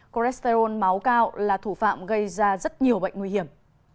cholesterol máu cao là thủ phạm gây ra rất nhiều bệnh nguy hiểm